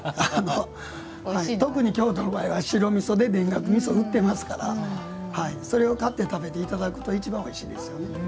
特に京都の場合は白みそで田楽みそ売ってますからそれを買って食べていただくと一番おいしいですよね。